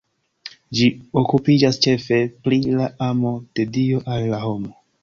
Ĝi okupiĝas ĉefe pri la amo de Dio al la homo.